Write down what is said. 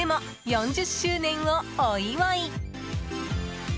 ４０周年をお祝い。